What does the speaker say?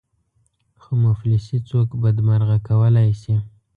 خو مفلسي څوک بدمرغه کولای شي.